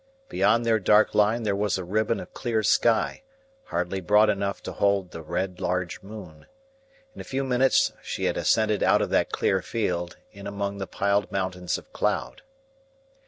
Beyond their dark line there was a ribbon of clear sky, hardly broad enough to hold the red large moon. In a few minutes she had ascended out of that clear field, in among the piled mountains of cloud.